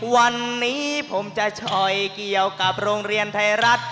วันนี้ผมจะชอยเกี่ยวกับโรงเรียนไทยรัฐ